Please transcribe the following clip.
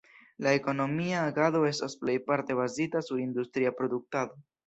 La ekonomia agado estas plejparte bazita sur industria produktado.